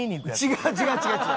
違う違う違う違う！